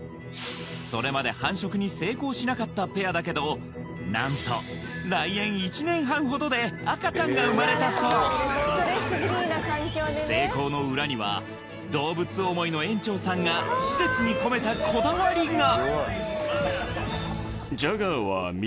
それまで繁殖に成功しなかったペアだけど何と来園１年半ほどで赤ちゃんが生まれたそう成功の裏には動物思いの園長さんが施設に込めたこだわりが！